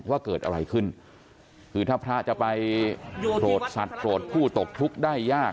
ว่าเกิดอะไรขึ้นคือถ้าพระจะไปโปรดสัตว์โปรดผู้ตกทุกข์ได้ยาก